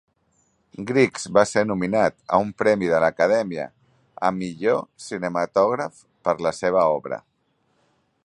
Griggs va ser nominat a un Premi de l"Acadèmia a millor cinematògraf per la seva obra.